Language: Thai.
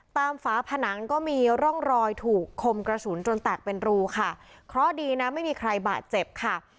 ฝาผนังก็มีร่องรอยถูกคมกระสุนจนแตกเป็นรูค่ะเพราะดีนะไม่มีใครบาดเจ็บค่ะ